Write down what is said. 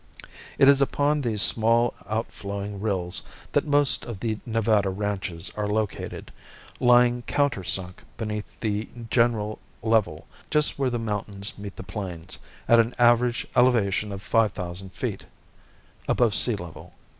It is upon these small outflowing rills that most of the Nevada ranches are located, lying countersunk beneath the general level, just where the mountains meet the plains, at an average elevation of five thousand feet above sea level.